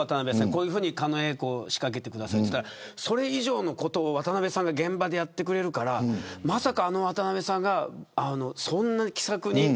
こういうふうに狩野英孝に仕掛けてくださいといったらそれ以上のことを渡辺さんが現場でやってくれるからまさかあの渡辺さんがそんなに気さくに。